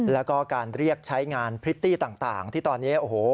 แล้วก็การเรียกใช้งานพริตตี้ต่างที่ตอนนี้โอ้โห